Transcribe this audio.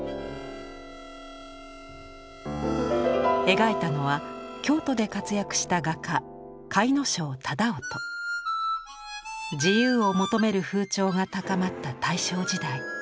描いたのは京都で活躍した画家自由を求める風潮が高まった大正時代